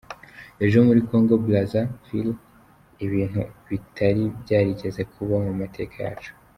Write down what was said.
Ejo muri Kongo Brazza, ibintu bitari byarigeze kubaho mu mateka yacu.